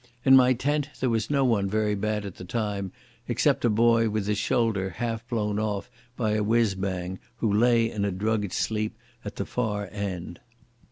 In my tent there was no one very bad at the time, except a boy with his shoulder half blown off by a whizz bang, who lay in a drugged sleep at the far end.